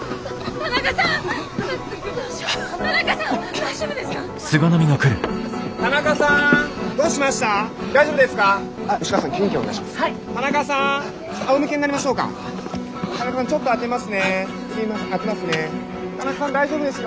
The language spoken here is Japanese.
大丈夫ですよ